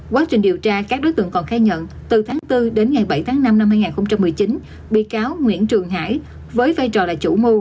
quá trình điều tra các đối tượng còn khai nhận từ tháng bốn đến ngày bảy tháng năm năm hai nghìn một mươi chín bị cáo nguyễn trường hải với vai trò là chủ mưu